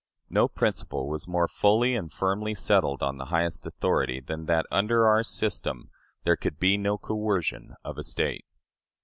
No principle was more fully and firmly settled on the highest authority than that, under our system, there could be no coercion of a State.